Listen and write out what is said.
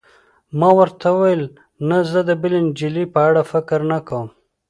ما ورته وویل: نه، زه د بلې نجلۍ په اړه فکر نه کوم.